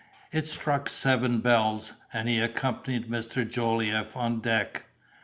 It struck seven bells, and he accompanied Mr. Jolliffe on deck.